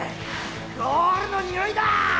ゴールの臭いだ！